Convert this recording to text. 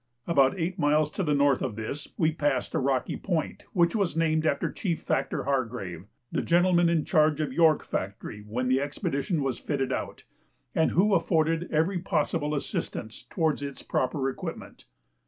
About eight miles to the north of this we passed a rocky point, which was named after Chief Factor Hargrave, the gentleman in charge of York Factory when the expedition was fitted out, and who afforded every possible assistance towards its proper equipment.